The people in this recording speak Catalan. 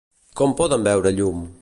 Com poden veure llum?